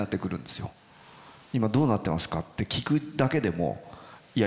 今どうなってますかって聞くだけでもいや